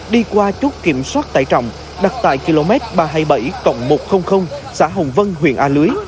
đi qua chốt kiểm soát tải trọng đặt tại km ba trăm hai mươi bảy một trăm linh xã hồng vân huyện a lưới